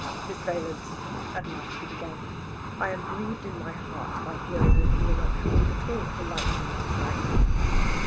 "Miss Valence," at last he began, "I am grieved in my heart by hearing that you were not treated at all politely last night."